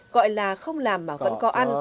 gọi là không làm mà vẫn có ăn